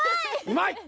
うまい！